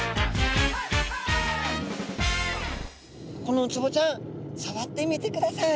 このウツボちゃんさわってみてください。